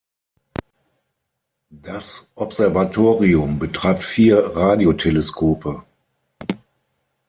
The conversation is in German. Das Observatorium betreibt vier Radioteleskope.